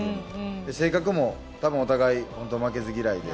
性格も多分、お互い負けず嫌いで。